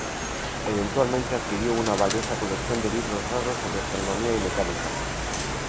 Eventualmente adquirió una valiosa colección de libros raros sobre astronomía y mecánica.